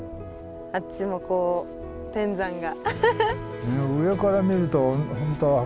あっちもこう天山が。